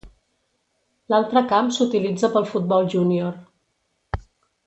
L'altre camp s'utilitza pel futbol júnior.